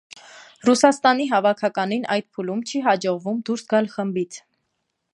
Ռուսաստանի հավաքականին այդ փուլում չի հաջողվում դուրս գալ խմբից։